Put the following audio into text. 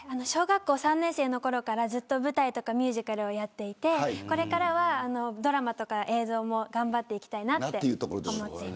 小学校３年生のころから舞台とかミュージカルをやっていてこれからはドラマとか映像も頑張っていきたいなと思っています。